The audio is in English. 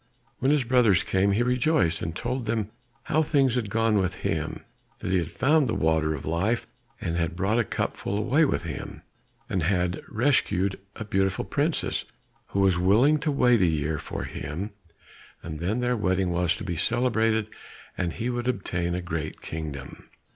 When his brothers came, he rejoiced, and told them how things had gone with him, that he had found the water of life and had brought a cupful away with him, and had rescued a beautiful princess, who was willing to wait a year for him, and then their wedding was to be celebrated and he would obtain a great kingdom.